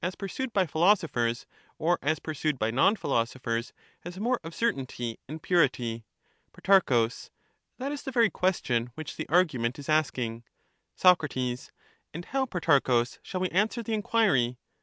633 pursued by philosophers, or as pursued by non philosophers, PhiUims, has more of certainty and purity ? Soceates, Pro. That is the very question which the argument is ^"^^^^^^w^^ asking. Soc. And how, Protarchus, shall we answer the enquiry